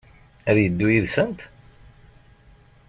Ad yeddu yid-sent?